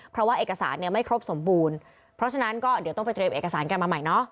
เพราะว่าเอกสารเนี่ยไม่ครบสมบูรณ์เพราะฉะนั้นก็เดี๋ยวต้องไปเตรียมเอกสารกันมาใหม่เนาะ